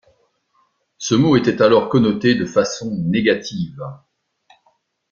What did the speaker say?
Ce mot était alors connoté de façon négative.